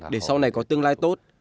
để sau này có tương lai tốt